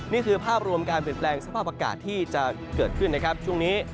นี่คือภาพรวมการเปลี่ยนแปลงสภาพอากาศที่จะเกิดขึ้นนะครับช่วงนี้